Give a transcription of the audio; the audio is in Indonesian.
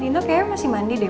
dino kayaknya masih mandi deh